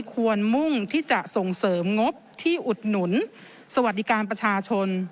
มุ่งที่จะส่งเสริมงบที่อุดหนุนสวัสดิการประชาชน